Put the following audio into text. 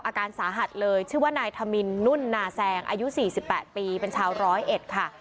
อาการสาหัสเลยชื่อว่านายธมินนุ่นนาแซงอายุ๔๘ปีเป็นชาวร้อยเอ็ดค่ะ